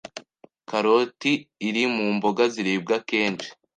Karoti iri mu mboga ziribwa kenshi